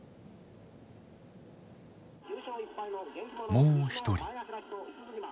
もう一人。